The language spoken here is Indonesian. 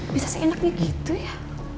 bisa seenaknya gitu ya